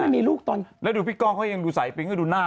ไม่มีลูกตอนแล้วดูพี่ก้องเขายังดูสายปิ๊งก็ดูหน้า